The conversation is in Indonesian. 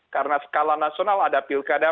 karena skala nasional ada pilkada